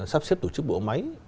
sắp xếp tổ chức bộ máy